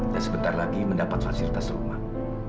dan sebentar lagi mendapat fasilitas rumah